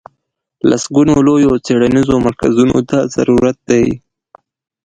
لسګونو لویو څېړنیزو مرکزونو ته ضرورت دی.